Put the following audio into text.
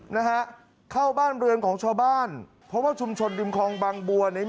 นะฮะเข้าบ้านเรือนของชาวบ้านเพราะว่าชุมชนริมคลองบางบัวเนี่ย